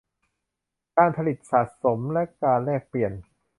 การผลิต สะสม และการแลกเปลี่ยน